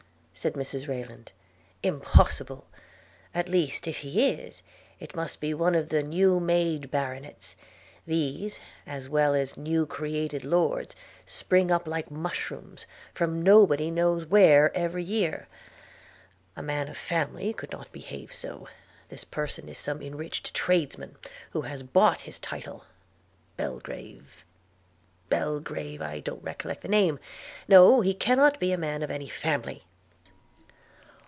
said Mrs Rayland. 'Impossible! at least if he is, it must be one of the new made baronets: these, as well as new created lords, spring up like mushrooms, from nobody knows where, every year. A man of family could not behave so. This person is some enriched tradesman, who has bought his title. Belgrave! – Belgrave! – I don't recollect the name. No; he cannot be a man of any family.'